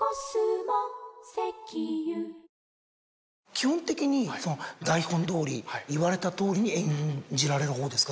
基本的に台本どおり言われたとおりに演じられる方ですか？